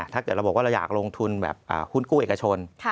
ถ้าเกิดเราบอกว่าเราอยากลงทุนแบบหุ้นกู้เอกชน